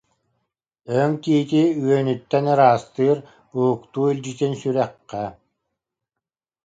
Өҥ тиити үөнүттэн ыраастыыр, Уһуктуу илдьитин сүрэххэ